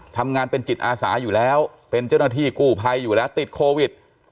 ทำงานเป็นจิตอาสาอยู่แล้วเป็นเจ้าหน้าที่กู้ภัยอยู่แล้วติดโควิด